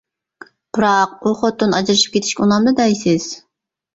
بىراق، ئۇ خوتۇن ئاجرىشىپ كېتىشكە ئۇنامدۇ دەيسىز.